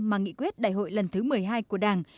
mà nghị quyết đại hội lần thứ một mươi hai của đảng